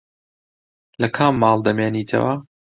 لە کام ماڵ دەمێنیتەوە؟